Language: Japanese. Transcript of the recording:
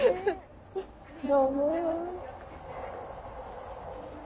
どうも。